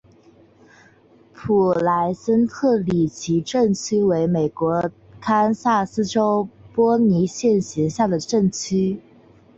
普莱森特里奇镇区为美国堪萨斯州波尼县辖下的镇区。